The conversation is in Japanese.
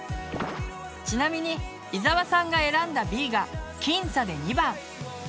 ちなみに伊沢さんが選んだＢが僅差で２番。